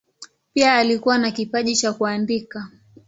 Pia alikuwa na kipaji cha kuandika.